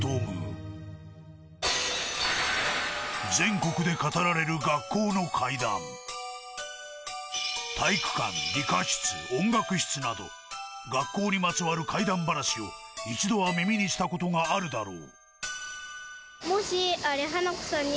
全国で語られるなど学校にまつわる怪談話を一度は耳にしたことがあるだろう